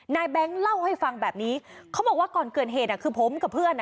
แบงค์เล่าให้ฟังแบบนี้เขาบอกว่าก่อนเกิดเหตุอ่ะคือผมกับเพื่อนอ่ะ